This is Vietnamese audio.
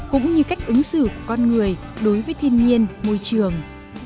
cũng như cách ứng xử của con người đối với thiên nhiên môi trường